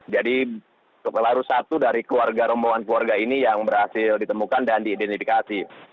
jadi kelaru satu dari keluarga rombongan keluarga ini yang berhasil ditemukan dan diidentifikasi